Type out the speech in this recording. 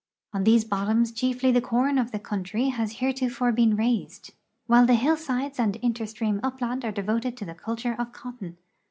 On these bottoms chiefly the corn of the country has heretofore been raised, while the hill sides and interstream upland are devoted to the culture of cotton.